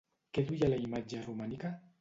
Què duia la imatge romànica?